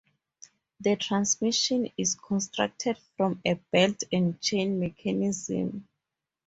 The transmission is constructed from a belt and chain mechanism.